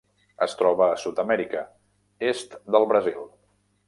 Es troba a Sud-amèrica: est del Brasil.